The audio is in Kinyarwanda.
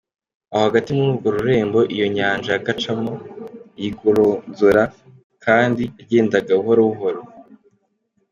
Aho hagati muri urwo rurembo, iyo nyanja yacagamo yigoronzora kandi yagendaga buhoro buhoro.